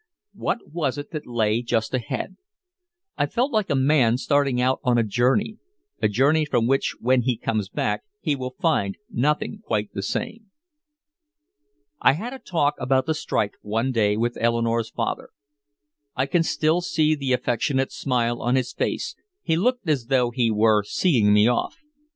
What was it that lay just ahead? I felt like a man starting out on a journey a journey from which when he comes back he will find nothing quite the same. I had a talk about the strike one day with Eleanore's father. I can still see the affectionate smile on his face, he looked as though he were seeing me off.